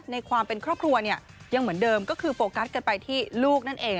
ในความเป็นครอบครัวเนี่ยยังเหมือนเดิมก็คือโฟกัสกันไปที่ลูกนั่นเอง